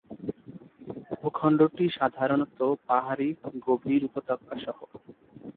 ভূখণ্ডটি সাধারণত পাহাড়ি, গভীর উপত্যকা সহ।